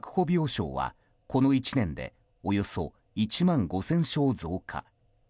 病床はこの１年でおよそ１万５０００床増加。